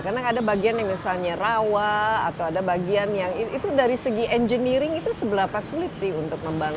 karena ada bagian yang misalnya rawa atau ada bagian yang itu dari segi engineering itu sebelah pas sulit sih untuk membangun